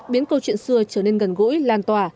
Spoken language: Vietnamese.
biến câu chuyện xưa trở nên gần gũi lan tỏa